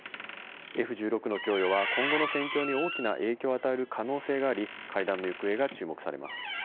Ｆ１６の供与は、今後の戦況に大きな影響を与える可能性があり、会談の行方が注目されます。